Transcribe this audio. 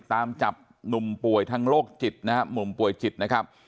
ตามจับหนุ่มป่วยทางโรคจิตนะฮะหนุ่มป่วยจิตนะครับ